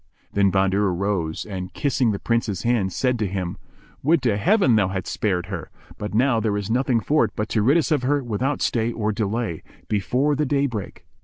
Then Bahadur rose and, kissing the Prince's hand, said to him, "Would to Heaven thou hadst spared her! but now there is nothing for it but to rid us of her without stay or delay, before the day break."